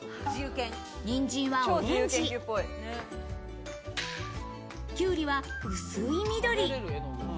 にんじんはオレンジ、きゅうりは薄い緑。